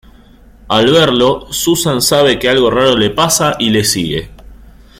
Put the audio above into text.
Al verlo, Susan sabe que algo raro le pasa y le sigue.